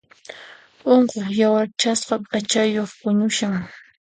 Unquq yawarchasqa p'achayuq puñushan.